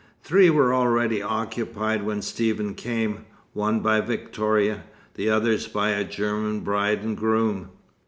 Three were already occupied when Stephen came; one by Victoria, the others by a German bride and groom.